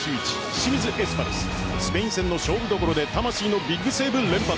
清水エスパルススペイン戦の勝負どころで魂のビッグセーブ連発。